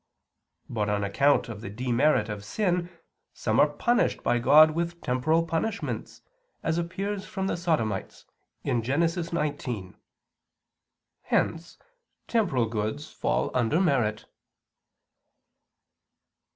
But on account of the demerit of sin some are punished by God with temporal punishments, as appears from the Sodomites, Gen. 19. Hence temporal goods fall under merit.